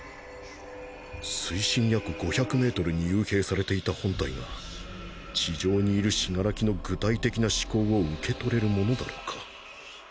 水深約５００メートルに幽閉されていた本体が地上にいる死柄木の具体的な思考を受け取れるものだろうか。